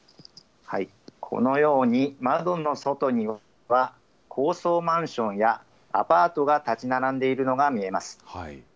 このように窓の外には、高層マンションやアパートが建ち並んでいるのが見えます。